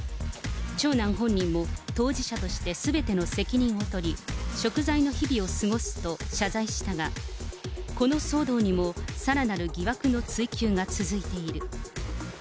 長男本人も当事者としてすべての責任を取り、しょく罪の日々を過ごすと謝罪したが、この騒動にもさらなる疑惑の追及が続いている。